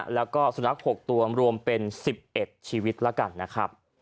แล้วก็สุนัข๖ตัวรวมเป็น๑๑ชีวิตแล้วกันนะครับ